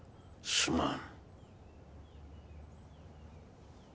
すまん？